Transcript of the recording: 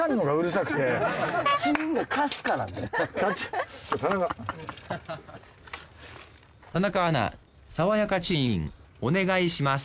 さわやかチーンお願いします